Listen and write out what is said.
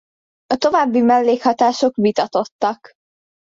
A további mellékhatások vitatottak.